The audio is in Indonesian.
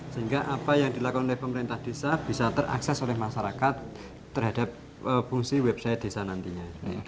sehingga apa yang dilakukan oleh pemerintah desa bisa terakses oleh masyarakat terhadap fungsi website desa nantinya